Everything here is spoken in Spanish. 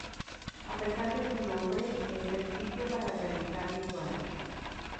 A pesar de su nombre, es el sitio para realizar rituales.